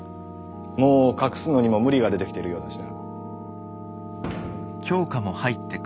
もう隠すのにも無理が出てきているようだしな。